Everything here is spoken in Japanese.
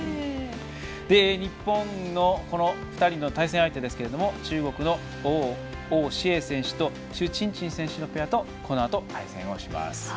日本の２人の対戦相手は中国の王紫瑩選手と朱珍珍選手のペアとこのあと対戦をします。